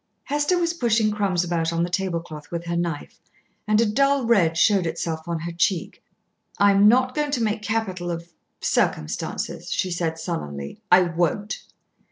Hester was pushing crumbs about on the tablecloth with her knife, and a dull red showed itself on her cheek. "I am not going to make capital of circumstances," she said sullenly. "I won't."